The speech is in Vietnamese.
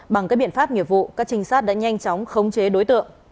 bằng các biện pháp nghiệp vụ các trinh sát đã nhanh chóng khống chế đối tượng